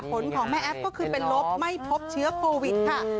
ผลของแม่แอฟก็คือเป็นลบไม่พบเชื้อโควิดค่ะ